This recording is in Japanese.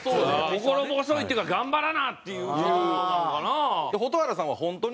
心細いっていうか頑張らな！っていう事なんかな。